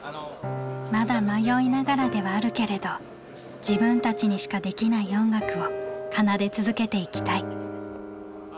まだ迷いながらではあるけれど自分たちにしかできない音楽を奏で続けていきたい。